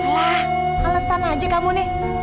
alah alasan aja kamu nih